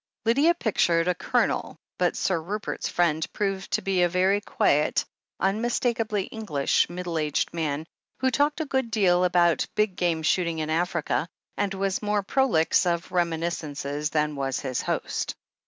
Lydia pictured a Colonial, but Sir Rupert's friend proved to be a very quiet, unmistakably English, middle aged man, who talked a good deal about big game shooting in Africa, and was more prolix of reminis cences than was his host.